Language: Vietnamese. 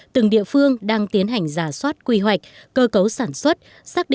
từng địa phương đang tiến hành ra suất quy hoạch cơ cấu sản xuất